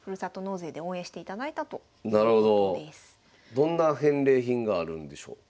どんな返礼品があるんでしょうか。